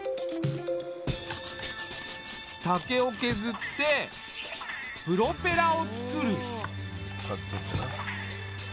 竹を削ってプロペラをつくる。